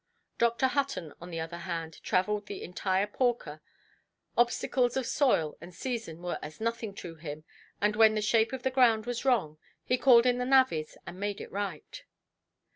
Dr. Hutton, on the other hand, travelled the entire porker; obstacles of soil and season were as nothing to him, and when the shape of the ground was wrong, he called in the navvies and made it right.